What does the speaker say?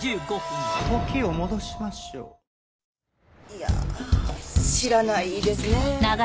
いやあ知らないですね。